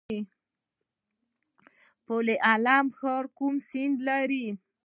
پل علم ښار کوم سیند لري؟